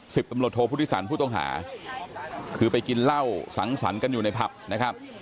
ตำรวจโทษพุทธิสันผู้ต้องหาคือไปกินเหล้าสังสรรค์กันอยู่ในผับนะครับ